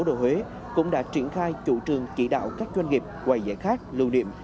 các quản lý quân thể di tích cố đồ huế cũng đã triển khai chủ trường chỉ đạo các doanh nghiệp quầy giải khác lưu niệm